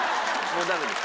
もうダメです。